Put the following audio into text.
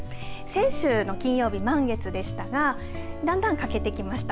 先週の金曜日、満月でしたがだんだん欠けてきました。